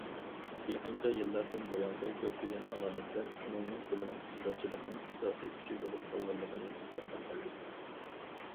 يېقىنقى يىللاردىن بۇيانقى كۆپلىگەن ئالامەتلەر ئومۇمنىڭ پۇلىنىڭ ئىسراپچىلىقنىڭ ئاساسىي كۈچى بولۇپ قالغانلىقىنى ئىسپاتلاپ بەردى.